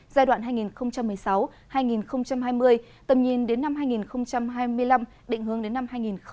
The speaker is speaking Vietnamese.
giai đoạn hai nghìn một mươi sáu hai nghìn hai mươi tầm nhìn đến năm hai nghìn hai mươi năm định hướng đến năm hai nghìn ba mươi